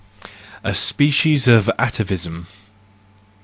A Species of Atavism